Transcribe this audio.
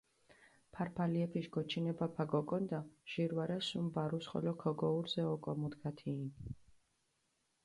ფარფალიეფიშ გოჩინებაფა გოკონდა, ჟირ ვარა სუმ ბარუს ხოლო ქოგოურზე ოკო მუდგათ იჸინ.